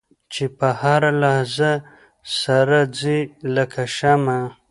چې په هره لحظه سر ځي لکه شمع.